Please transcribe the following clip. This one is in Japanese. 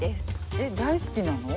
えっ大好きなの？